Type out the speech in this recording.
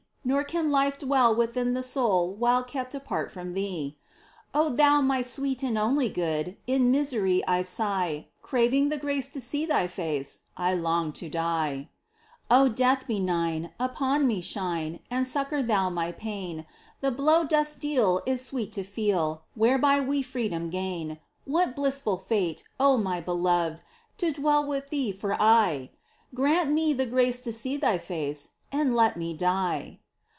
Nor can life dM^ell within the soul While kept apart from Thee ! Thou my sweet and only Good, In misery I sigh ! Craving the grace to see Thy face, I long to die ! POEMS. 13 O Death benign ! upon me shine And succour thou my pain ! The blow dost deal is sweet to feel, Wliereby we freedom gain ! What bhssful fate, my Beloved, To dwell with Thee for aye ! Grant me the grace to see Thy face, And let me die